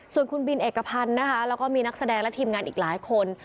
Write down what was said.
ส่วนคุณบินเอกพันธ์นะคะแล้วก็มีนักแสดงและทีมงานอีกหลายคน